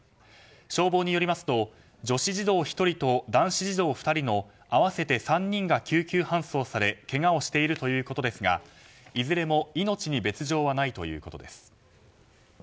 消防によりますと女子児童１人と男子児童２人の合わせて３人が救急搬送されけがをしているということですがいずれも命に別条はないということです。